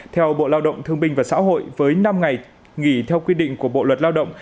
theo bộ lao động thương binh và xã hội với năm ngày nghỉ theo quy định của bộ luật lao động